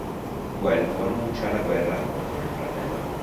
Guelfo annuncia la guerra contro il fratello.